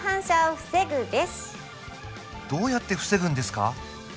どうやって防ぐんですか！？